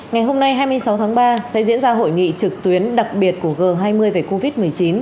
ngày hôm nay hai mươi sáu tháng ba sẽ diễn ra hội nghị trực tuyến đặc biệt của g hai mươi về covid một mươi chín